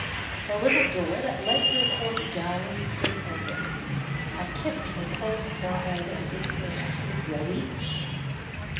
The little door that led to the quarter gallery stood open. I kissed her cold forehead, and whispered, "Are you ready